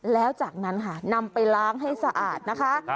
แล้วจากนั้นค่ะนำไปล้างให้สะอาดนะคะ